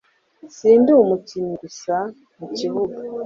Sindi umukinnyi gusa mu kibuga